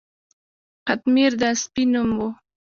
قطمیر د سپي نوم و.